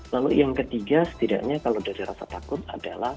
lalu yang ketiga setidaknya kalau dasar rasa takut adalah